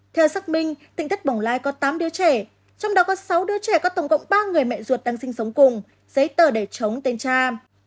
theo xác minh tỉnh thất bồng lai có tám đứa trẻ trong đó có sáu đứa trẻ có tổng cộng ba người mẹ ruột đang sinh sống cùng giấy tờ để chống tên cha